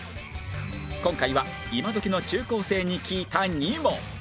今回は今どきの中高生に聞いた２問